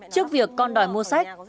trước việc con đòi mua sách